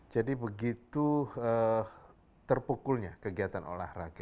jadi begitu terpukulnya kegiatan olahraga